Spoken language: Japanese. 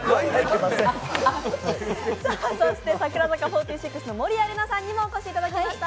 そして櫻坂４６の守屋麗奈さんにもお越しいただきました。